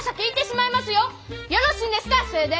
よろしいんですかそれで！？